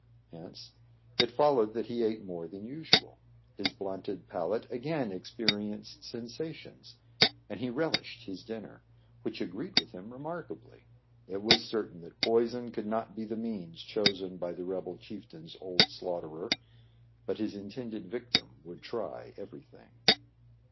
Hence it followed that he ate more than usual ; his blunted palate again experienced sensations ; and he rel ished his dinner, which agreed with him remark ably. It was certain that poison could not be the means chosen by the rebel chieftain's old slaugh terer, but his intended victim would try every thing.